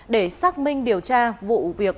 để xác minh điều tra vụ việc